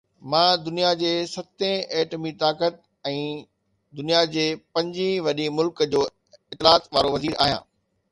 مان دنيا جي ستين ايٽمي طاقت ۽ دنيا جي پنجين وڏي ملڪ جو اطلاعات وارو وزير آهيان